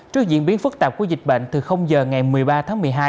trước diễn biến phức tạp của dịch bệnh từ giờ ngày một mươi ba tháng một mươi hai